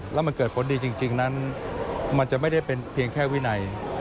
แล้วมันเกิดผลดีจริงนั้นมันจะไม่ได้เป็นเพียงแค่วินัย